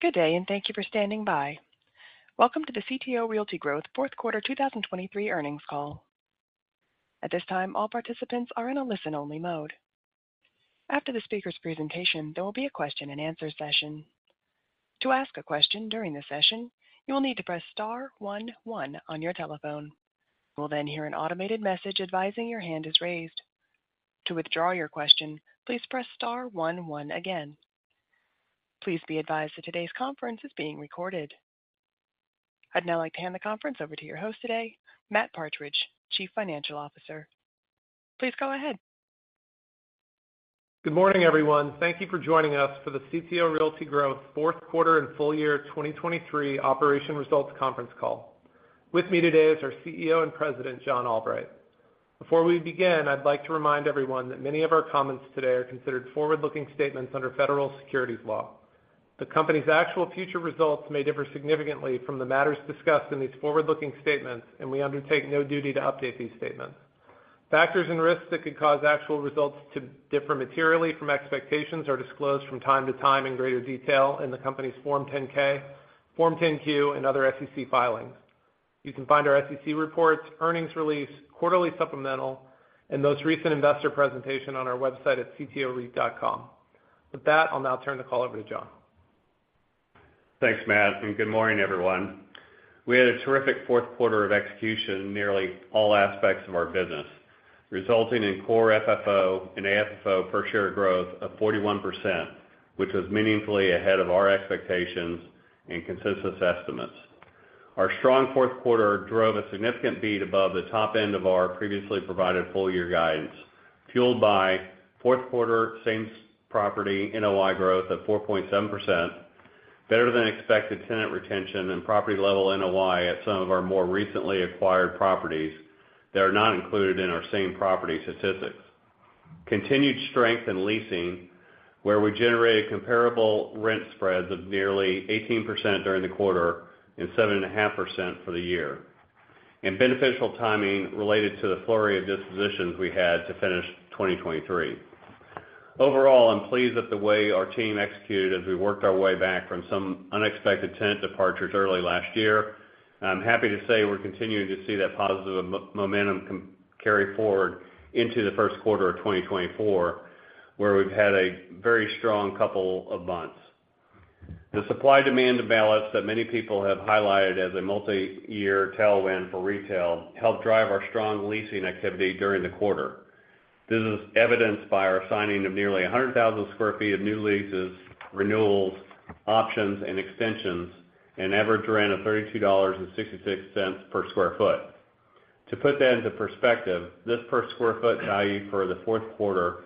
Good day, and thank you for standing by. Welcome to the CTO Realty Growth Fourth Quarter 2023 Earnings Call. At this time, all participants are in a listen-only mode. After the speaker's presentation, there will be a question-and-answer session. To ask a question during the session, you will need to press star one one on your telephone. You will then hear an automated message advising your hand is raised. To withdraw your question, please press star one one again. Please be advised that today's conference is being recorded. I'd now like to hand the conference over to your host today, Matt Partridge, Chief Financial Officer. Please go ahead. Good morning, everyone. Thank you for joining us for the CTO Realty Growth Fourth Quarter and Full Year 2023 Operational Results Conference Call. With me today is our CEO and President, John Albright. Before we begin, I'd like to remind everyone that many of our comments today are considered forward-looking statements under federal securities law. The company's actual future results may differ significantly from the matters discussed in these forward-looking statements, and we undertake no duty to update these statements. Factors and risks that could cause actual results to differ materially from expectations are disclosed from time to time in greater detail in the company's Form 10-K, Form 10-Q, and other SEC filings. You can find our SEC reports, earnings release, quarterly supplemental, and most recent investor presentation on our website at ctorealty.com. With that, I'll now turn the call over to John. Thanks, Matt, and good morning, everyone. We had a terrific fourth quarter of execution in nearly all aspects of our business, resulting in Core FFO and AFFO per share growth of 41%, which was meaningfully ahead of our expectations and consensus estimates. Our strong fourth quarter drove a significant beat above the top end of our previously provided full year guidance, fueled by fourth quarter same-property NOI growth of 4.7%, better than expected tenant retention, and property-level NOI at some of our more recently acquired properties that are not included in our same-property statistics. Continued strength in leasing, where we generated comparable rent spreads of nearly 18% during the quarter and 7.5% for the year, and beneficial timing related to the flurry of dispositions we had to finish 2023. Overall, I'm pleased that the way our team executed as we worked our way back from some unexpected tenant departures early last year. I'm happy to say we're continuing to see that positive momentum carry forward into the first quarter of 2024, where we've had a very strong couple of months. The supply-demand balance that many people have highlighted as a multi-year tailwind for retail helped drive our strong leasing activity during the quarter. This is evidenced by our signing of nearly 100,000 sq ft of new leases, renewals, options, and extensions, an average rent of $32.66 per sq ft. To put that into perspective, this per sq ft value for the fourth quarter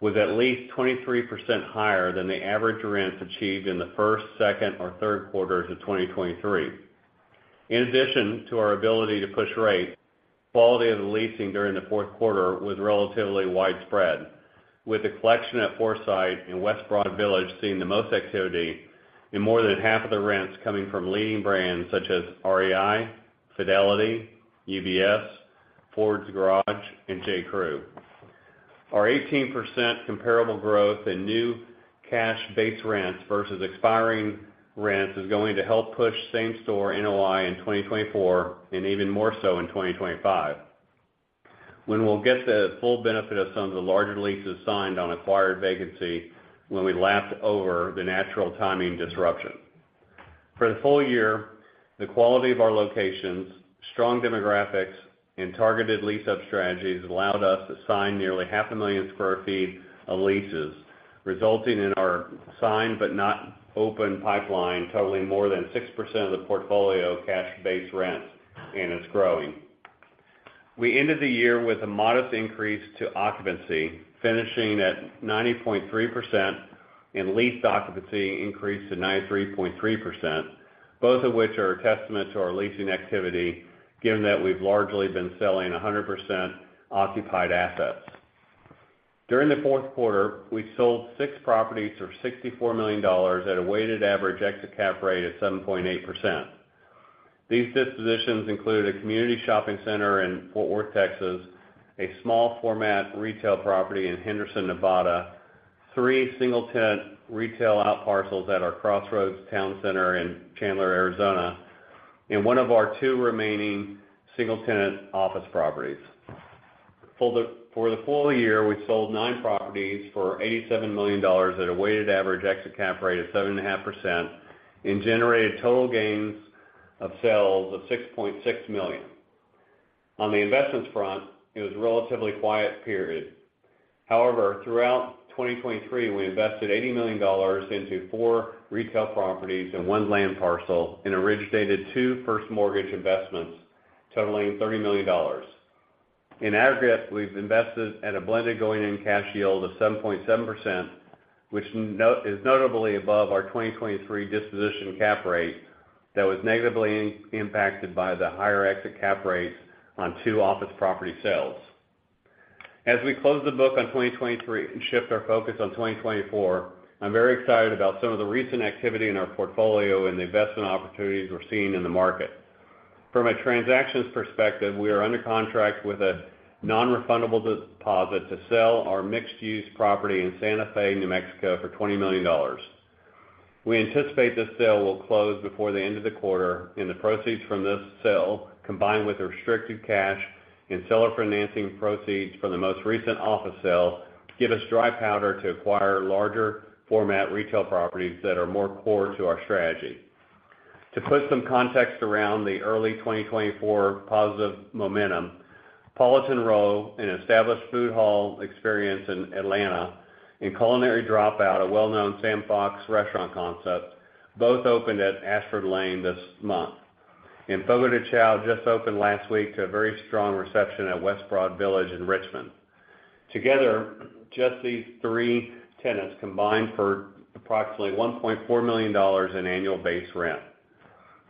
was at least 23% higher than the average rents achieved in the first, second, or third quarters of 2023. In addition to our ability to push rates, quality of the leasing during the fourth quarter was relatively widespread, with The Collection at Forsyth and West Broad Village seeing the most activity and more than half of the rents coming from leading brands such as REI, Fidelity, UBS, Ford's Garage, and J.Crew. Our 18% comparable growth in new cash-based rents versus expiring rents is going to help push same-store NOI in 2024 and even more so in 2025, when we'll get the full benefit of some of the larger leases signed on acquired vacancy when we lapped over the natural timing disruption. For the full year, the quality of our locations, strong demographics, and targeted lease-up strategies allowed us to sign nearly 500,000 sq ft of leases, resulting in our signed but not open pipeline totaling more than 6% of the portfolio cash-based rents, and it's growing. We ended the year with a modest increase to occupancy, finishing at 90.3%, and leased occupancy increased to 93.3%, both of which are a testament to our leasing activity, given that we've largely been selling 100% occupied assets. During the fourth quarter, we sold six properties for $64 million at a weighted average exit cap rate of 7.8%. These dispositions included a community shopping center in Fort Worth, Texas, a small-format retail property in Henderson, Nevada, three single-tenant retail outparcels at our Crossroads Town Center in Chandler, Arizona, and one of our two remaining single-tenant office properties. For the full year, we sold 9 properties for $87 million at a weighted average exit cap rate of 7.5% and generated total gains of sales of $6.6 million. On the investments front, it was a relatively quiet period. However, throughout 2023, we invested $80 million into four retail properties and one land parcel and originated two first mortgage investments totaling $30 million. In aggregate, we've invested at a blended going-in cash yield of 7.7%, which is notably above our 2023 disposition cap rate that was negatively impacted by the higher exit cap rates on two office property sales. As we close the book on 2023 and shift our focus on 2024, I'm very excited about some of the recent activity in our portfolio and the investment opportunities we're seeing in the market. From a transactions perspective, we are under contract with a non-refundable deposit to sell our mixed-use property in Santa Fe, New Mexico, for $20 million. We anticipate this sale will close before the end of the quarter, and the proceeds from this sale, combined with restricted cash and seller financing proceeds from the most recent office sale, give us dry powder to acquire larger-format retail properties that are more core to our strategy. To put some context around the early 2024 positive momentum, Politan Row, an established food hall experience in Atlanta, and Culinary Dropout, a well-known Sam Fox restaurant concept, both opened at Ashford Lane this month. Fogo de Chão just opened last week to a very strong reception at West Broad Village in Richmond. Together, just these three tenants combined for approximately $1.4 million in annual base rent.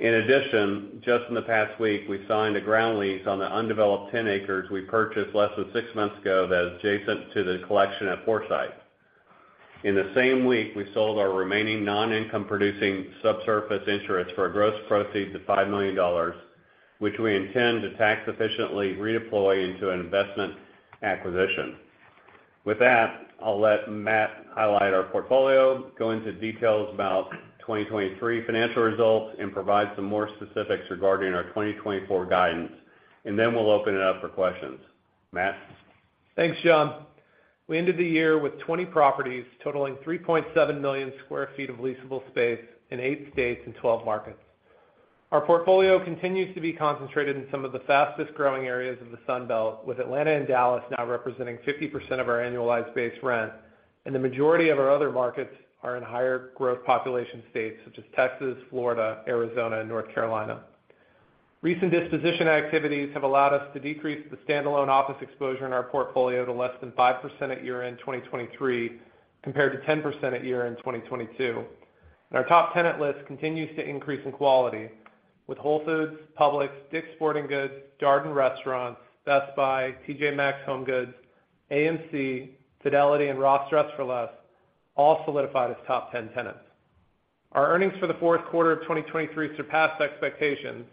In addition, just in the past week, we signed a ground lease on the undeveloped 10 acres we purchased less than six months ago that is adjacent to The Collection at Forsyth. In the same week, we sold our remaining non-income-producing subsurface interest for gross proceeds of $5 million, which we intend to tax-efficiently redeploy into an investment acquisition. With that, I'll let Matt highlight our portfolio, go into details about 2023 financial results, and provide some more specifics regarding our 2024 guidance, and then we'll open it up for questions. Matt? Thanks, John. We ended the year with 20 properties totaling 3.7 million sq ft of leasable space in eight states and 12 markets. Our portfolio continues to be concentrated in some of the fastest-growing areas of the Sun Belt, with Atlanta and Dallas now representing 50% of our annualized base rent, and the majority of our other markets are in higher-growth population states such as Texas, Florida, Arizona, and North Carolina. Recent disposition activities have allowed us to decrease the standalone office exposure in our portfolio to less than 5% at year-end 2023 compared to 10% at year-end 2022. Our top tenant list continues to increase in quality, with Whole Foods, Publix, DICK'S Sporting Goods, Darden Restaurants, Best Buy, T.J. Maxx, HomeGoods, AMC, Fidelity, and Ross Dress for Less all solidified as top 10 tenants. Our earnings for the fourth quarter of 2023 surpassed expectations,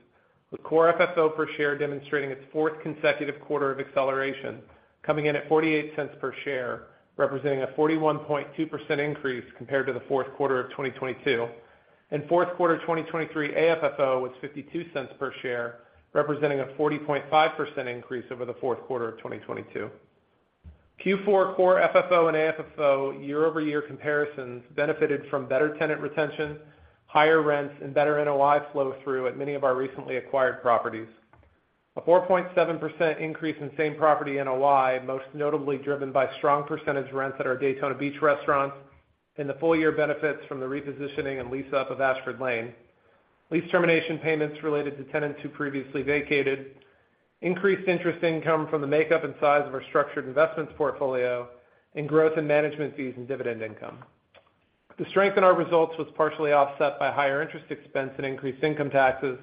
with Core FFO per share demonstrating its fourth consecutive quarter of acceleration, coming in at $0.48 per share, representing a 41.2% increase compared to the fourth quarter of 2022. Fourth quarter 2023 AFFO was $0.52 per share, representing a 40.5% increase over the fourth quarter of 2022. Q4 Core FFO and AFFO year-over-year comparisons benefited from better tenant retention, higher rents, and better NOI flow-through at many of our recently acquired properties. A 4.7% increase in Same-Property NOI, most notably driven by strong percentage rents at our Daytona Beach restaurants and the full-year benefits from the repositioning and lease-up of Ashford Lane, lease termination payments related to tenants who previously vacated, increased interest income from the makeup and size of our structured investments portfolio, and growth in management fees and dividend income. The strength in our results was partially offset by higher interest expense and increased income taxes,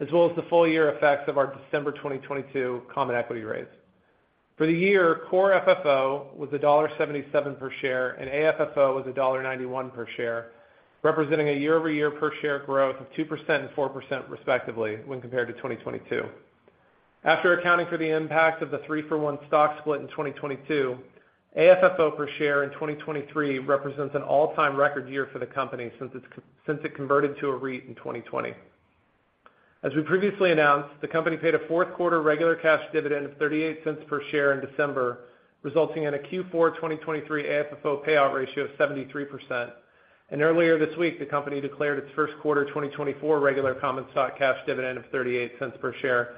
as well as the full-year effects of our December 2022 common equity raise. For the year, Core FFO was $1.77 per share, and AFFO was $1.91 per share, representing a year-over-year per share growth of 2% and 4%, respectively, when compared to 2022. After accounting for the impact of the three-for-one stock split in 2022, AFFO per share in 2023 represents an all-time record year for the company since it converted to a REIT in 2020. As we previously announced, the company paid a fourth quarter regular cash dividend of $0.38 per share in December, resulting in a Q4 2023 AFFO payout ratio of 73%. Earlier this week, the company declared its first quarter 2024 regular common stock cash dividend of $0.38 per share,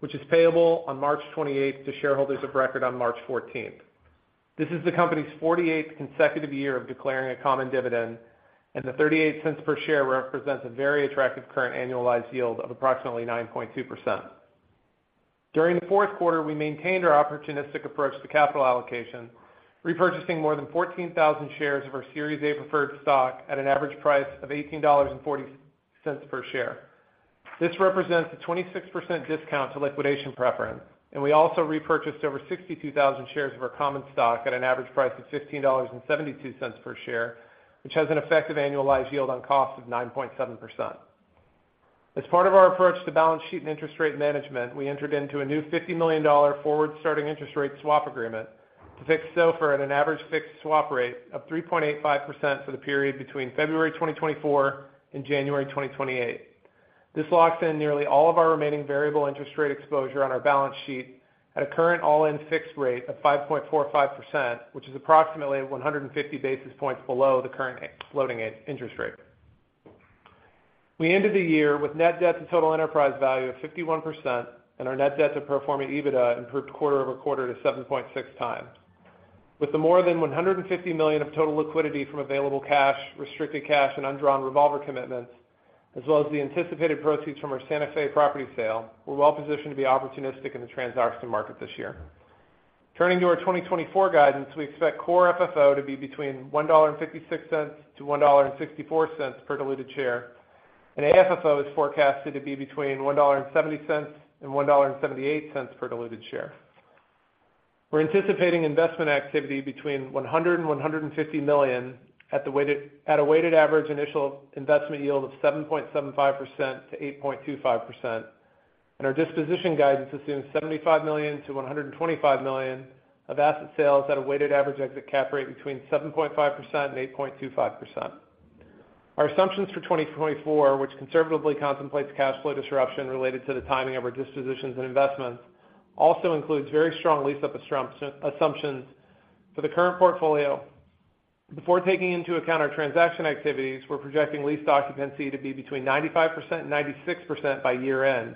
which is payable on March 28th to shareholders of record on March 14th. This is the company's 48th consecutive year of declaring a common dividend, and the $0.38 per share represents a very attractive current annualized yield of approximately 9.2%. During the fourth quarter, we maintained our opportunistic approach to capital allocation, repurchasing more than 14,000 shares of our Series A preferred stock at an average price of $18.40 per share. This represents a 26% discount to liquidation preference, and we also repurchased over 62,000 shares of our common stock at an average price of $15.72 per share, which has an effective annualized yield on cost of 9.7%. As part of our approach to balance sheet and interest rate management, we entered into a new $50 million forward-starting interest rate swap agreement to fix SOFR at an average fixed swap rate of 3.85% for the period between February 2024 and January 2028. This locks in nearly all of our remaining variable interest rate exposure on our balance sheet at a current all-in fixed rate of 5.45%, which is approximately 150 basis points below the current floating interest rate. We ended the year with net debt to total enterprise value of 51%, and our net debt to Pro Forma EBITDA improved quarter-over-quarter to 7.6x. With the more than $150 million of total liquidity from available cash, restricted cash, and undrawn revolver commitments, as well as the anticipated proceeds from our Santa Fe property sale, we're well-positioned to be opportunistic in the transaction market this year. Turning to our 2024 guidance, we expect Core FFO to be between $1.56-$1.64 per diluted share, and AFFO is forecasted to be between $1.70 and $1.78 per diluted share. We're anticipating investment activity between $100 million and $150 million at a weighted average initial investment yield of 7.75%-8.25%, and our disposition guidance assumes $75 million-$125 million of asset sales at a weighted average exit Cap Rate between 7.5% and 8.25%. Our assumptions for 2024, which conservatively contemplates cash flow disruption related to the timing of our dispositions and investments, also include very strong lease-up assumptions. For the current portfolio, before taking into account our transaction activities, we're projecting leased occupancy to be between 95% and 96% by year-end,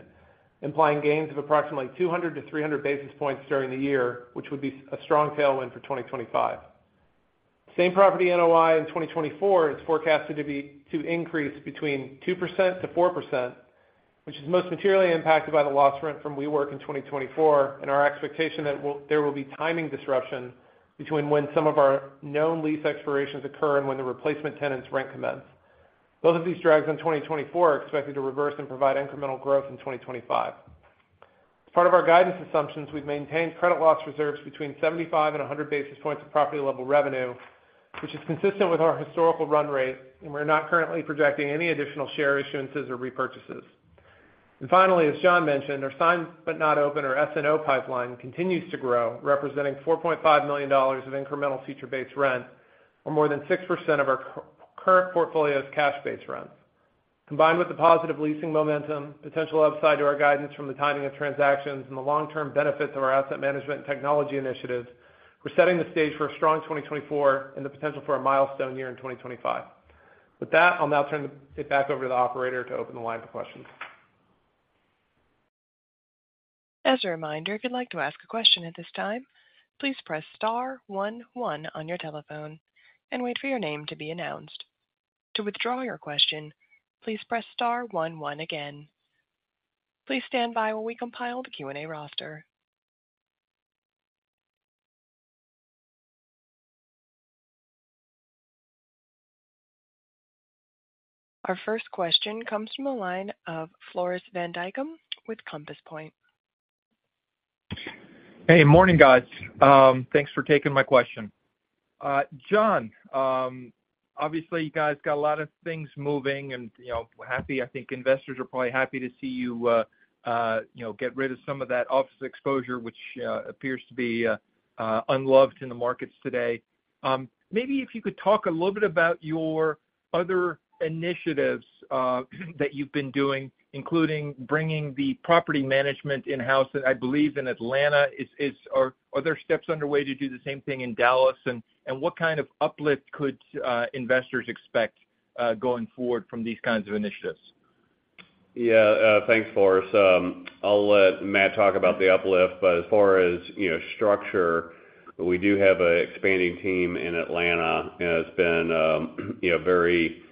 implying gains of approximately 200-300 basis points during the year, which would be a strong tailwind for 2025. Same-Property NOI in 2024 is forecasted to increase between 2%-4%, which is most materially impacted by the lost rent from WeWork in 2024 and our expectation that there will be timing disruption between when some of our known lease expirations occur and when the replacement tenant's rent commence. Both of these drags on 2024 are expected to reverse and provide incremental growth in 2025. As part of our guidance assumptions, we've maintained credit loss reserves between 75 and 100 basis points of property-level revenue, which is consistent with our historical run rate, and we're not currently projecting any additional share issuances or repurchases. Finally, as John mentioned, our signed but not open or S&O pipeline continues to grow, representing $4.5 million of incremental future-based rent or more than 6% of our current portfolio's cash-based rent. Combined with the positive leasing momentum, potential upside to our guidance from the timing of transactions, and the long-term benefits of our asset management and technology initiatives, we're setting the stage for a strong 2024 and the potential for a milestone year in 2025. With that, I'll now turn it back over to the operator to open the line for questions. As a reminder, if you'd like to ask a question at this time, please press star one one on your telephone and wait for your name to be announced. To withdraw your question, please press star one one again. Please stand by while we compile the Q&A roster. Our first question comes from the line of Floris van Dijkum with Compass Point. Hey, morning, guys. Thanks for taking my question. John, obviously, you guys got a lot of things moving, and I'm happy. I think investors are probably happy to see you get rid of some of that office exposure, which appears to be unloved in the markets today. Maybe if you could talk a little bit about your other initiatives that you've been doing, including bringing the property management in-house. And I believe in Atlanta, are there steps underway to do the same thing in Dallas, and what kind of uplift could investors expect going forward from these kinds of initiatives? Yeah. Thanks, Floris. I'll let Matt talk about the uplift. But as far as structure, we do have an expanding team in Atlanta, and it's been very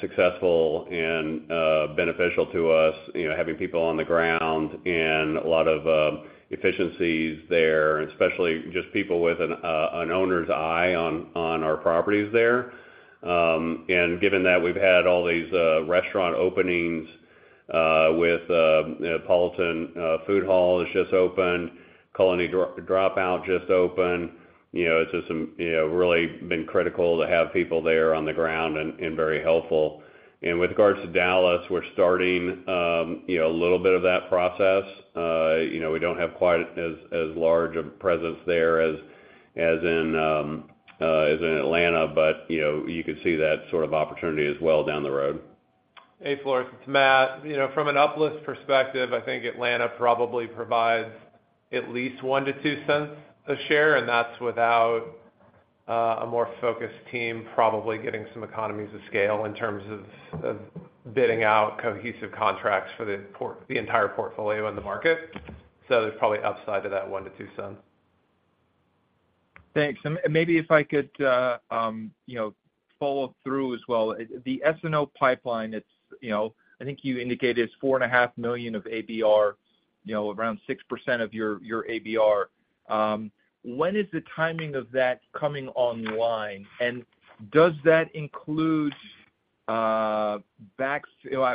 successful and beneficial to us, having people on the ground and a lot of efficiencies there, and especially just people with an owner's eye on our properties there. And given that we've had all these restaurant openings with Politan Row has just opened, Culinary Dropout just opened, it's just really been critical to have people there on the ground and very helpful. And with regards to Dallas, we're starting a little bit of that process. We don't have quite as large a presence there as in Atlanta, but you could see that sort of opportunity as well down the road. Hey, Floris. It's Matt. From an uplift perspective, I think Atlanta probably provides at least $0.01-$0.02 a share, and that's without a more focused team probably getting some economies of scale in terms of bidding out cohesive contracts for the entire portfolio in the market. So there's probably upside to that $0.01-$0.02. Thanks. Maybe if I could follow through as well. The S&O pipeline, I think you indicated it's $4.5 million of ABR, around 6% of your ABR. When is the timing of that coming online, and does that include backfill?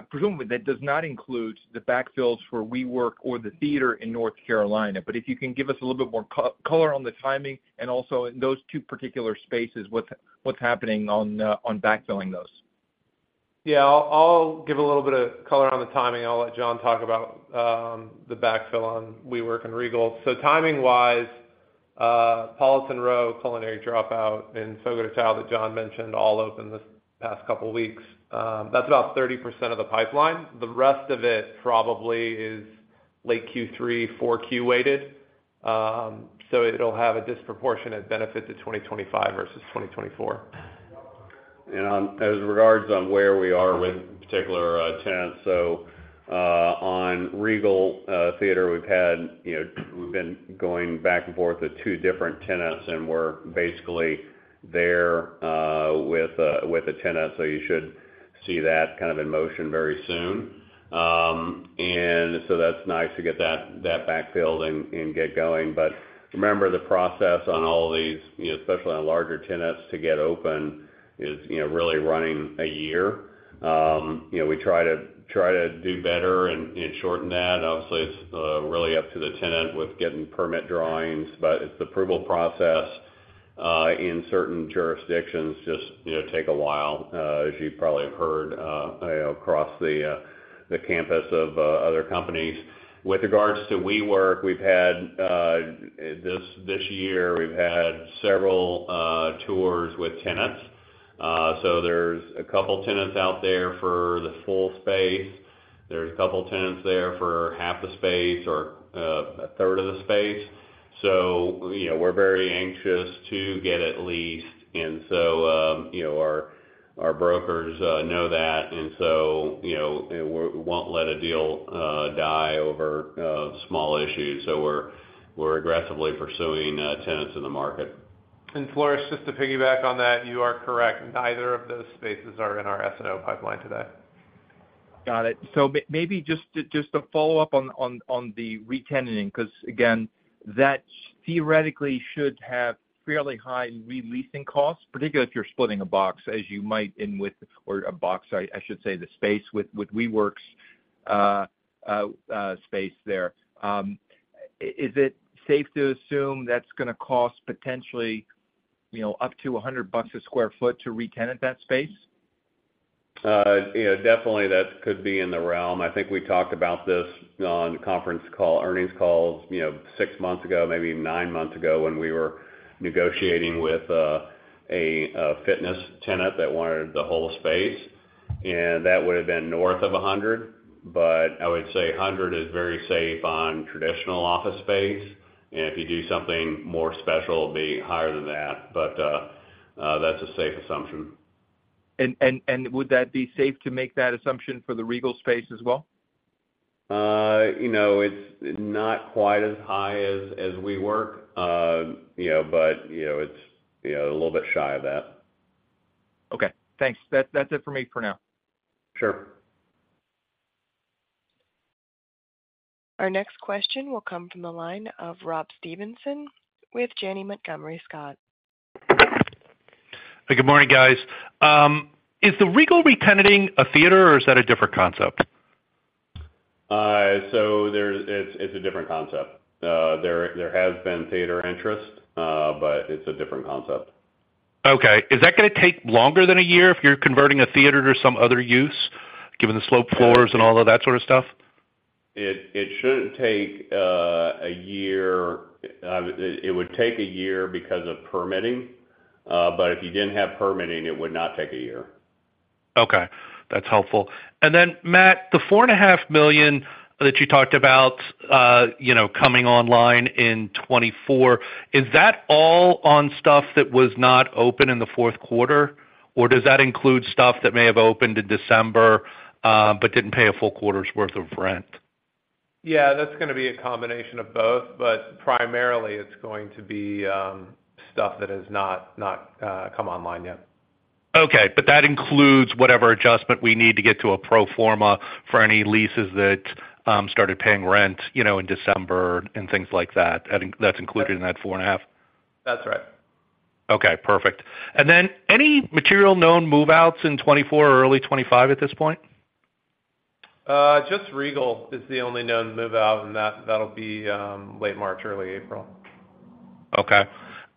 Presumably, that does not include the backfills for WeWork or the theater in North Carolina. But if you can give us a little bit more color on the timing and also in those two particular spaces, what's happening on backfilling those. Yeah. I'll give a little bit of color on the timing. I'll let John talk about the backfill on WeWork and Regal. So timing-wise, Politan Row, Culinary Dropout and Fogo de Chão that John mentioned all opened this past couple of weeks. That's about 30% of the pipeline. The rest of it probably is late Q3, 4Q weighted. So it'll have a disproportionate benefit to 2025 versus 2024. As regards on where we are with particular tenants, so on Regal Cinemas, we've been going back and forth with two different tenants, and we're basically there with a tenant. So you should see that kind of in motion very soon. And so that's nice to get that backfilled and get going. But remember, the process on all these, especially on larger tenants, to get open is really running a year. We try to do better and shorten that. Obviously, it's really up to the tenant with getting permit drawings, but it's the approval process in certain jurisdictions just take a while, as you probably have heard across the campus of other companies. With regards to WeWork, this year, we've had several tours with tenants. So there's a couple of tenants out there for the full space. There's a couple of tenants there for half the space or a third of the space. So we're very anxious to get at least. And so our brokers know that, and so we won't let a deal die over small issues. So we're aggressively pursuing tenants in the market. Floris, just to piggyback on that, you are correct. Neither of those spaces are in our S&O Pipeline today. Got it. So maybe just to follow up on the retention because, again, that theoretically should have fairly high re-leasing costs, particularly if you're splitting a box, as you might, or a box, I should say, the space with WeWork's space there. Is it safe to assume that's going to cost potentially up to $100 a sq ft to re-tenant that space? Definitely, that could be in the realm. I think we talked about this on conference call earnings calls six months ago, maybe nine months ago, when we were negotiating with a fitness tenant that wanted the whole space. And that would have been north of 100, but I would say 100 is very safe on traditional office space. And if you do something more special, it'd be higher than that. But that's a safe assumption. Would that be safe to make that assumption for the Regal space as well? It's not quite as high as WeWork, but it's a little bit shy of that. Okay. Thanks. That's it for me for now. Sure. Our next question will come from the line of Rob Stevenson with Janney Montgomery Scott. Hey, good morning, guys. Is the Regal retenanting a theater, or is that a different concept? It's a different concept. There has been theater interest, but it's a different concept. Okay. Is that going to take longer than a year if you're converting a theater to some other use, given the sloped floors and all of that sort of stuff? It shouldn't take a year. It would take a year because of permitting. If you didn't have permitting, it would not take a year. Okay. That's helpful. And then, Matt, the $4.5 million that you talked about coming online in 2024, is that all on stuff that was not open in the fourth quarter, or does that include stuff that may have opened in December but didn't pay a full quarter's worth of rent? Yeah. That's going to be a combination of both, but primarily, it's going to be stuff that has not come online yet. Okay. But that includes whatever adjustment we need to get to a pro forma for any leases that started paying rent in December and things like that. That's included in that 4.5? That's right. Okay. Perfect. And then any material known move-outs in 2024 or early 2025 at this point? Just Regal is the only known move-out, and that'll be late March, early April. Okay.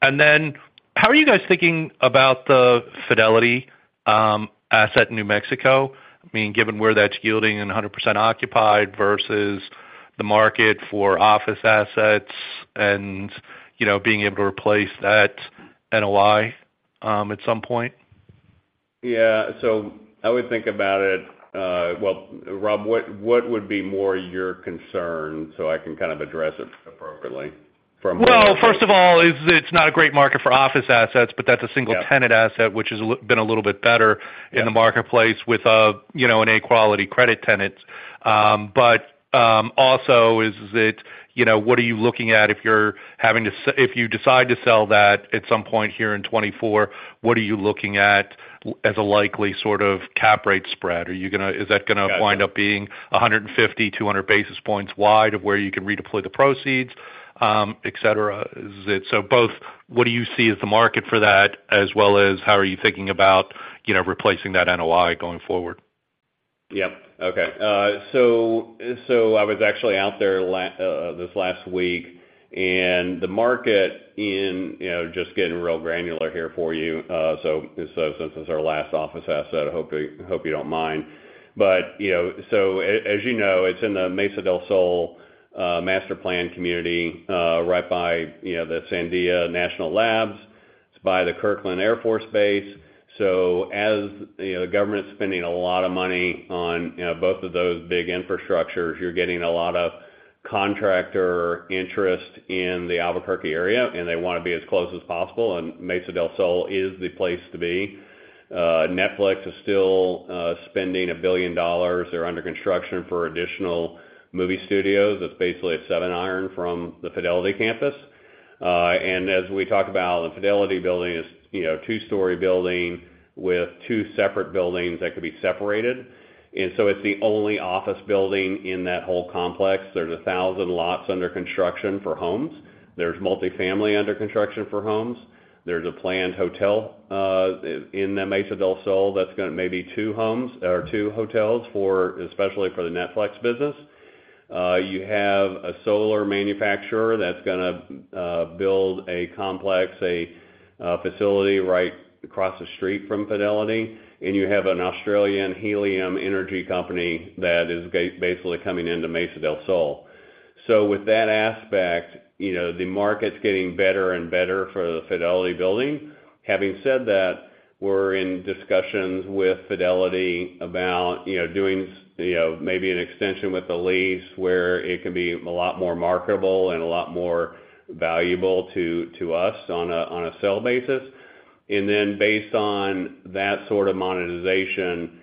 And then how are you guys thinking about the Fidelity asset in New Mexico? I mean, given where that's yielding and 100% occupied versus the market for office assets and being able to replace that NOI at some point? Yeah. So I would think about it. Well, Rob, what would be more your concern so I can kind of address it appropriately from? Well, first of all, it's not a great market for office assets, but that's a single-tenant asset, which has been a little bit better in the marketplace with an A-quality credit tenant. But also, what are you looking at if you decide to sell that at some point here in 2024, what are you looking at as a likely sort of cap rate spread? Is that going to wind up being 150, 200 basis points wide of where you can redeploy the proceeds, etc.? So both, what do you see as the market for that, as well as how are you thinking about replacing that NOI going forward? Yep. Okay. So I was actually out there this last week, and the market. I'm just getting real granular here for you. So since it's our last office asset, I hope you don't mind. But so as you know, it's in the Mesa del Sol master plan community right by the Sandia National Labs. It's by the Kirtland Air Force Base. So as the government's spending a lot of money on both of those big infrastructures, you're getting a lot of contractor interest in the Albuquerque area, and they want to be as close as possible. And Mesa del Sol is the place to be. Netflix is still spending $1 billion. They're under construction for additional movie studios. It's basically a seven-iron from the Fidelity campus. And as we talked about, the Fidelity building is a two-story building with two separate buildings that could be separated. It's the only office building in that whole complex. There's 1,000 lots under construction for homes. There's multifamily under construction for homes. There's a planned hotel in the Mesa del Sol that's going to maybe two homes or two hotels, especially for the Netflix business. You have a solar manufacturer that's going to build a complex, a facility right across the street from Fidelity. And you have an Australian helium energy company that is basically coming into Mesa del Sol. So with that aspect, the market's getting better and better for the Fidelity building. Having said that, we're in discussions with Fidelity about doing maybe an extension with the lease where it can be a lot more marketable and a lot more valuable to us on a sell basis. And then based on that sort of monetization,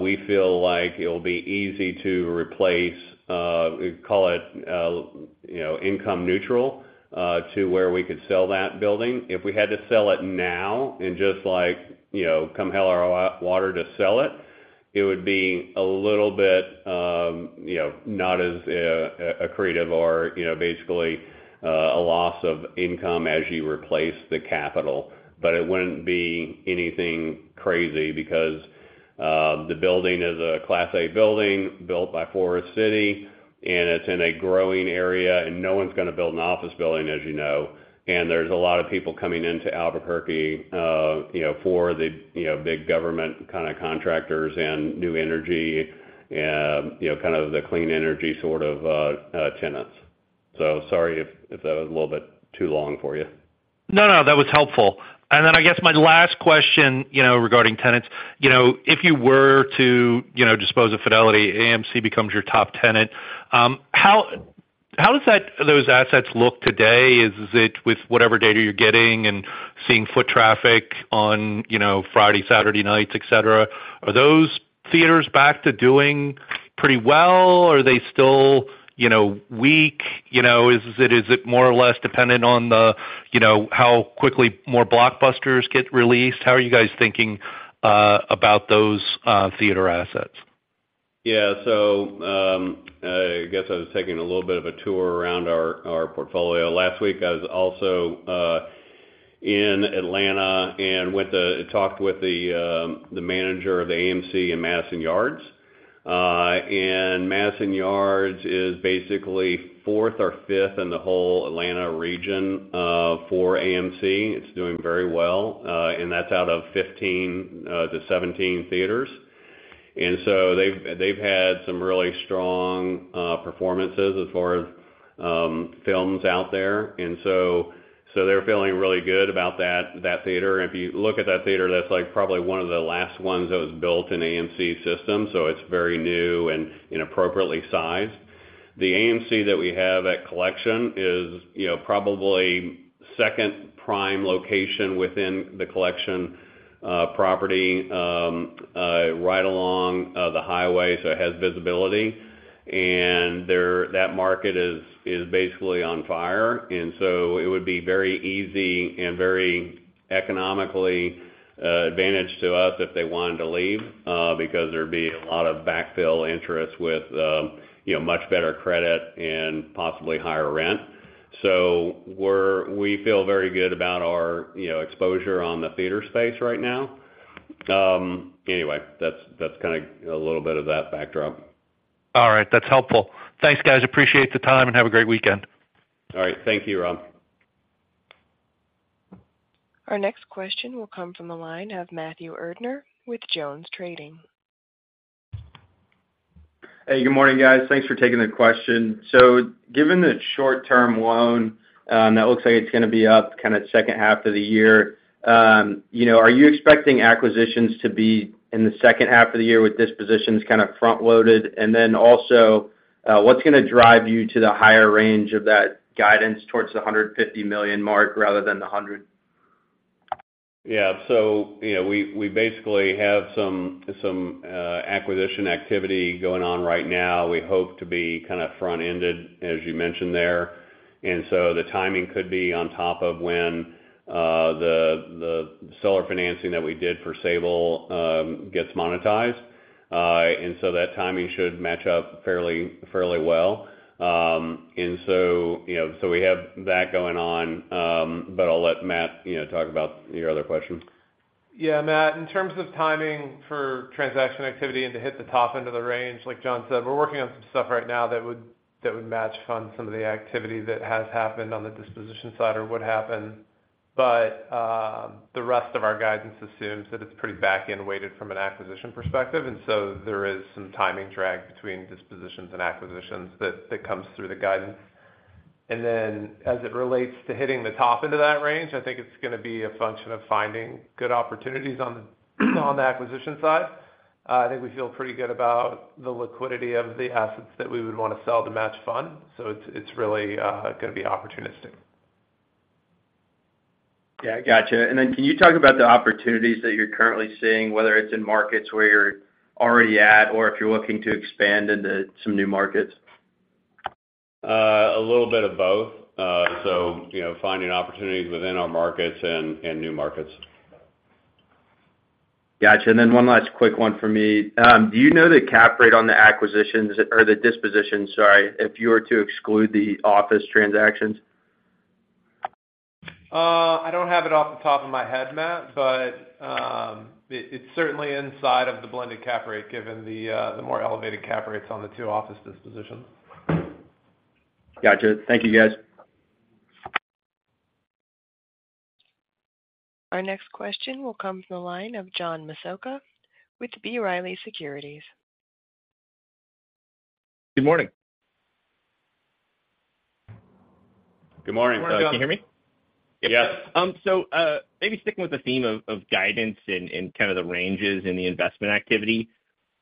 we feel like it'll be easy to replace call it income neutral to where we could sell that building. If we had to sell it now and just come hell or high water to sell it, it would be a little bit not as accretive or basically a loss of income as you replace the capital. But it wouldn't be anything crazy because the building is a Class A building built by Forest City, and it's in a growing area, and no one's going to build an office building, as you know. And there's a lot of people coming into Albuquerque for the big government kind of contractors and new energy, kind of the clean energy sort of tenants. So sorry if that was a little bit too long for you. No, no. That was helpful. And then I guess my last question regarding tenants, if you were to dispose of Fidelity, AMC becomes your top tenant, how do those assets look today? Is it with whatever data you're getting and seeing foot traffic on Friday, Saturday nights, etc.? Are those theaters back to doing pretty well, or are they still weak? Is it more or less dependent on how quickly more blockbusters get released? How are you guys thinking about those theater assets? Yeah. So I guess I was taking a little bit of a tour around our portfolio. Last week, I was also in Atlanta and talked with the manager of the AMC in Madison Yards. Madison Yards is basically fourth or fifth in the whole Atlanta region for AMC. It's doing very well. That's out of 15-17 theaters. So they've had some really strong performances as far as films out there. So they're feeling really good about that theater. And if you look at that theater, that's probably one of the last ones that was built in AMC system. So it's very new and inappropriately sized. The AMC that we have at Collection is probably second prime location within the Collection property right along the highway. So it has visibility. That market is basically on fire. And so it would be very easy and very economically advantaged to us if they wanted to leave because there'd be a lot of backfill interest with much better credit and possibly higher rent. So we feel very good about our exposure on the theater space right now. Anyway, that's kind of a little bit of that backdrop. All right. That's helpful. Thanks, guys. Appreciate the time and have a great weekend. All right. Thank you, Rob. Our next question will come from the line of Matthew Erdner with JonesTrading. Hey, good morning, guys. Thanks for taking the question. So given the short-term loan, that looks like it's going to be up kind of second half of the year, are you expecting acquisitions to be in the second half of the year with dispositions kind of front-loaded? And then also, what's going to drive you to the higher range of that guidance towards the $150 million mark rather than the $100 million? Yeah. So we basically have some acquisition activity going on right now. We hope to be kind of front-ended, as you mentioned there. And so the timing could be on top of when the seller financing that we did for Sable gets monetized. And so that timing should match up fairly well. And so we have that going on, but I'll let Matt talk about your other question. Yeah, Matt. In terms of timing for transaction activity and to hit the top end of the range, like John said, we're working on some stuff right now that would match fund some of the activity that has happened on the disposition side or would happen. But the rest of our guidance assumes that it's pretty back-end weighted from an acquisition perspective. And so there is some timing drag between dispositions and acquisitions that comes through the guidance. And then as it relates to hitting the top end of that range, I think it's going to be a function of finding good opportunities on the acquisition side. I think we feel pretty good about the liquidity of the assets that we would want to sell to match fund. So it's really going to be opportunistic. Yeah. Gotcha. And then can you talk about the opportunities that you're currently seeing, whether it's in markets where you're already at or if you're looking to expand into some new markets? A little bit of both. So finding opportunities within our markets and new markets. Gotcha. And then one last quick one for me. Do you know the Cap Rate on the acquisitions or the dispositions? Sorry, if you were to exclude the office transactions. I don't have it off the top of my head, Matt, but it's certainly inside of the blended cap rate given the more elevated cap rates on the two office dispositions. Gotcha. Thank you, guys. Our next question will come from the line of John Massocca with B. Riley Securities. Good morning. Good morning. Can you hear me? Yes. So maybe sticking with the theme of guidance and kind of the ranges in the investment activity,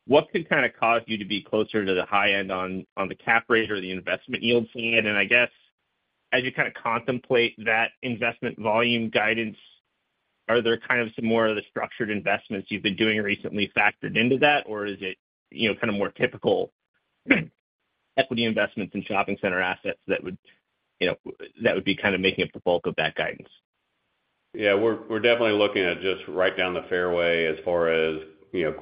what could kind of cause you to be closer to the high end on the Cap Rate or the investment yield side? And I guess as you kind of contemplate that investment volume guidance, are there kind of some more of the structured investments you've been doing recently factored into that, or is it kind of more typical equity investments and shopping center assets that would be kind of making up the bulk of that guidance? Yeah. We're definitely looking at just right down the fairway as far as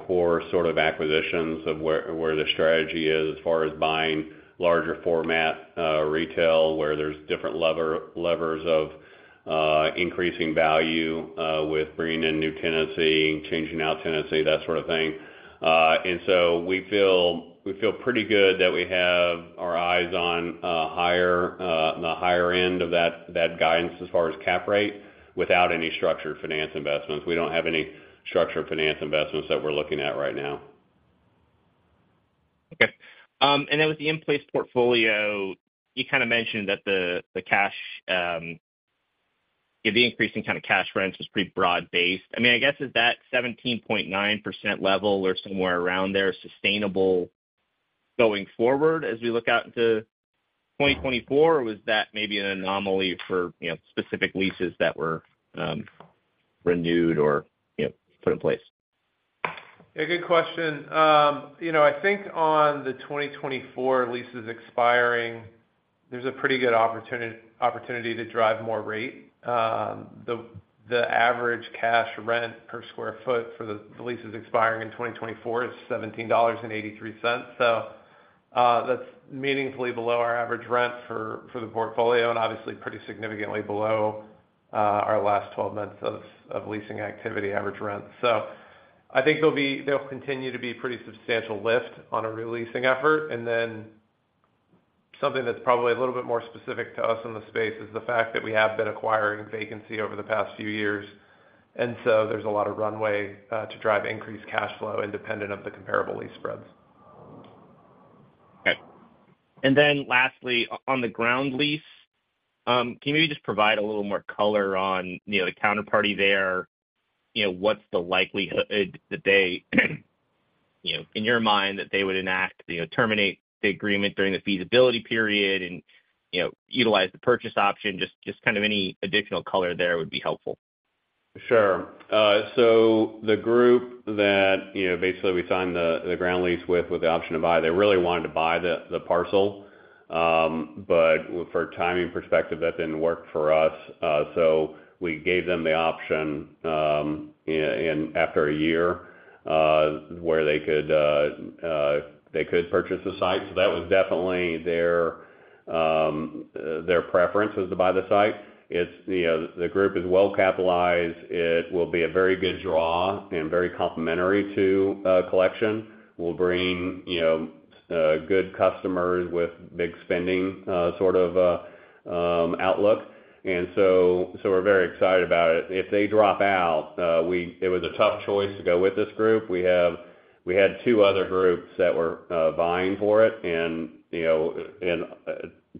core sort of acquisitions of where the strategy is as far as buying larger format retail where there's different levers of increasing value with bringing in new tenancy, changing out tenancy, that sort of thing. So we feel pretty good that we have our eyes on the higher end of that guidance as far as Cap Rate without any structured finance investments. We don't have any structured finance investments that we're looking at right now. Okay. Then with the in-place portfolio, you kind of mentioned that the increase in kind of cash rents was pretty broad-based. I mean, I guess is that 17.9% level or somewhere around there sustainable going forward as we look out into 2024, or was that maybe an anomaly for specific leases that were renewed or put in place? Yeah. Good question. I think on the 2024 leases expiring, there's a pretty good opportunity to drive more rate. The average cash rent per square foot for the leases expiring in 2024 is $17.83. So that's meaningfully below our average rent for the portfolio and obviously pretty significantly below our last 12 months of leasing activity average rent. So I think there'll continue to be pretty substantial lift on a releasing effort. And then something that's probably a little bit more specific to us in the space is the fact that we have been acquiring vacancy over the past few years. And so there's a lot of runway to drive increased cash flow independent of the comparable lease spreads. Okay. Lastly, on the ground lease, can you maybe just provide a little more color on the counterparty there? What's the likelihood that they in your mind, that they would elect to terminate the agreement during the feasibility period and utilize the purchase option? Just kind of any additional color there would be helpful. Sure. So the group that basically we signed the ground lease with the option to buy, they really wanted to buy the parcel. But for a timing perspective, that didn't work for us. So we gave them the option after a year where they could purchase the site. So that was definitely their preference to buy the site. The group is well capitalized. It will be a very good draw and very complementary to Collection. We'll bring good customers with big spending sort of outlook. And so we're very excited about it. If they drop out, it was a tough choice to go with this group. We had two other groups that were vying for it. And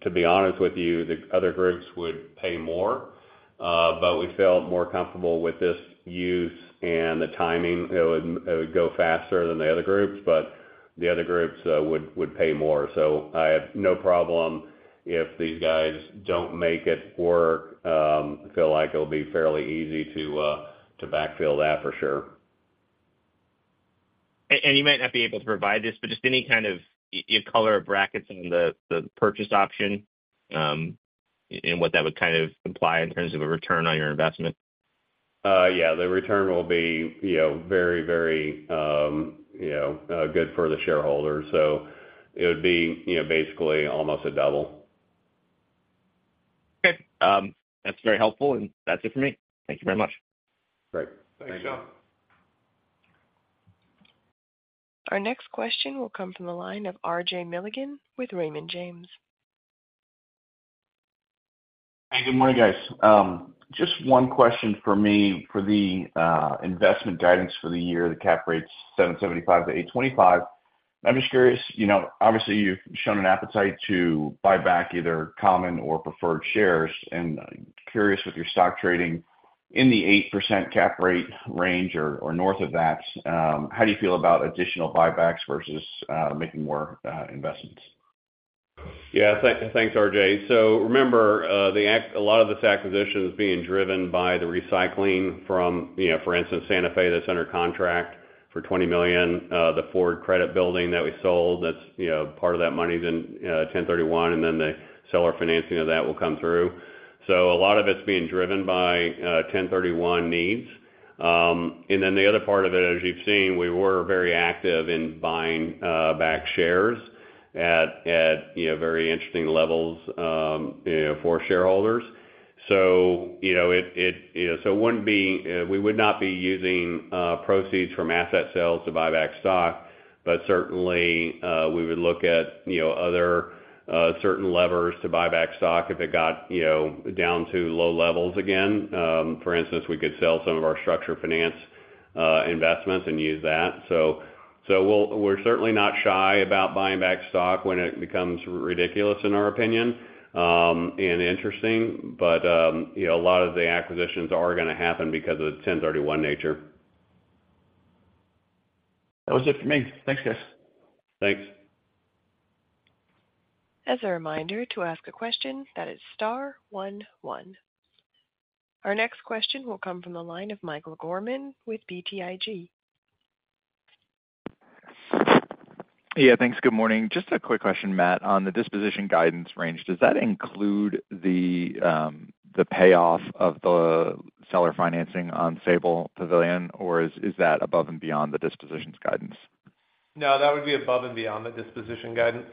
to be honest with you, the other groups would pay more. But we felt more comfortable with this use and the timing. It would go faster than the other groups, but the other groups would pay more. So I have no problem if these guys don't make it work. I feel like it'll be fairly easy to backfill that for sure. You might not be able to provide this, but just any kind of color of brackets on the purchase option and what that would kind of imply in terms of a return on your investment? Yeah. The return will be very, very good for the shareholders. It would be basically almost a double. Okay. That's very helpful. That's it for me. Thank you very much. Great. Thanks, John. Our next question will come from the line of RJ Milligan with Raymond James. Hey, good morning, guys. Just one question for me for the investment guidance for the year, the cap rates 7.75%-8.25%. I'm just curious. Obviously, you've shown an appetite to buy back either common or preferred shares. And curious with your stock trading in the 8% cap rate range or north of that, how do you feel about additional buybacks versus making more investments? Yeah. Thanks, RJ. So remember, a lot of this acquisition is being driven by the recycling from, for instance, Santa Fe that's under contract for $20 million, the Ford Credit building that we sold. That's part of that money then 1031, and then the seller financing of that will come through. So a lot of it's being driven by 1031 needs. And then the other part of it, as you've seen, we were very active in buying back shares at very interesting levels for shareholders. So it wouldn't be we would not be using proceeds from asset sales to buy back stock, but certainly, we would look at other certain levers to buy back stock if it got down to low levels again. For instance, we could sell some of our structured finance investments and use that. We're certainly not shy about buying back stock when it becomes ridiculous, in our opinion, and interesting. A lot of the acquisitions are going to happen because of the 1031 nature. That was it for me. Thanks, guys. Thanks. As a reminder to ask a question, that is star one one. Our next question will come from the line of Michael Gorman with BTIG. Yeah. Thanks. Good morning. Just a quick question, Matt. On the disposition guidance range, does that include the payoff of the seller financing on Sable Pavilion, or is that above and beyond the dispositions guidance? No. That would be above and beyond the disposition guidance.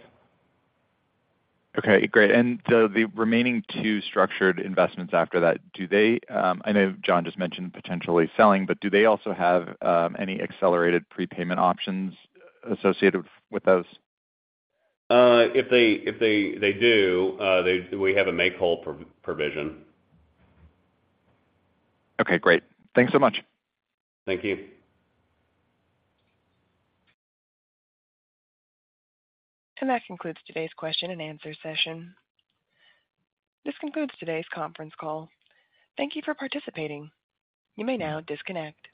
Okay. Great. And so the remaining two structured investments after that, do they? I know John just mentioned potentially selling, but do they also have any accelerated prepayment options associated with those? If they do, we have a make-whole provision. Okay. Great. Thanks so much. Thank you. That concludes today's question and answer session. This concludes today's conference call. Thank you for participating. You may now disconnect.